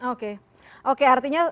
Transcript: oke oke artinya